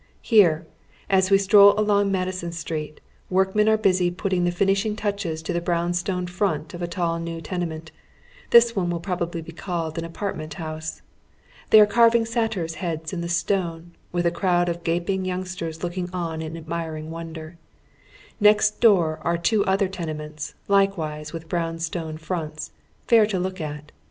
Here, as we stroll along Madison Street, workmen are busy putting the fin ishing touches to the brown stone front of a tall new ten ement. This one will probably be called an apartment liouse. They are carving satyrs' heads in the stone, with a crowd of gaping youngsters looking on in admiring wonder. Next door are two other tenements, likewise with brown stone fronts, fair to look at.